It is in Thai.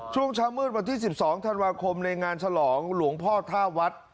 ช่วงเช้ามืดวันที่๑๒ธันวาคมในงานฉลองหลวงพ่อท่าวัด